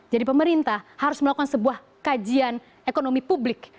jadi pemerintah harus melakukan sebuah kajian ekonomi publik